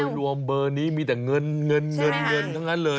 โดยรวมเบอร์นี้มีแต่เงินทั้งนั้นเลย